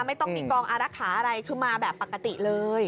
ไม่ต้องมีกองอารักษาอะไรคือมาแบบปกติเลย